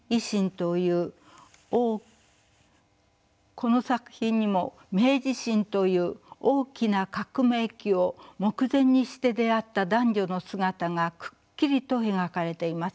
この作品にも明治維新という大きな革命期を目前にして出会った男女の姿がくっきりと描かれています。